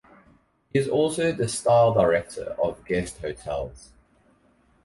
He is also the 'style director' of Guest Hotels.